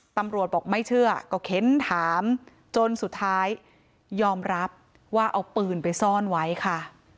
ตำรวจบอกไม่เชื่อก็เค้นถามจนสุดท้ายยอมรับว่าเอาปืนไปซ่อนไว้ค่ะ